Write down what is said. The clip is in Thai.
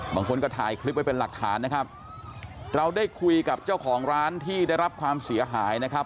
บางคนก็ถ่ายคลิปไว้เป็นหลักฐานนะครับเราได้คุยกับเจ้าของร้านที่ได้รับความเสียหายนะครับ